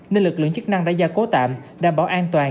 nên lực lượng chức năng đã gia cố tạm đảm bảo an toàn